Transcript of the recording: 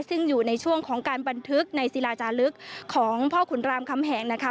ซึ่งอยู่ในช่วงของการบันทึกในศิลาจาลึกของพ่อขุนรามคำแหงนะคะ